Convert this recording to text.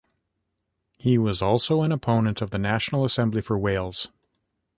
He was also an opponent of the National Assembly for Wales.